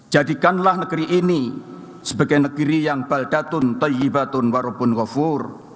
jadikanlah negeri ini sebagai negeri yang baldatun tayyibatun warupun wafur